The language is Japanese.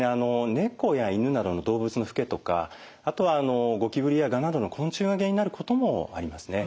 ネコやイヌなどの動物のフケとかあとはゴキブリやガなどの昆虫が原因になることもありますね。